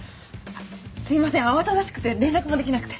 すいません慌ただしくて連絡もできなくて。